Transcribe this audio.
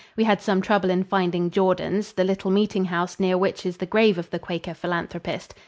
We had some trouble in finding Jordans, the little meeting house near which is the grave of the Quaker philanthropist.